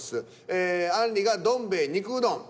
ええあんりが「どん兵衛肉うどん」。